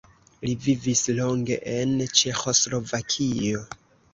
Li vivis longe en Ĉeĥoslovakio.